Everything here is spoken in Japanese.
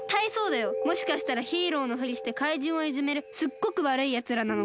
もしかしたらヒーローのフリしてかいじんをいじめるすっごくわるいやつらなのかも。